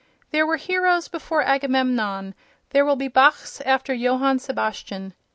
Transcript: There were heroes before Agamemnon; there will be Bachs after Johann Sebastian.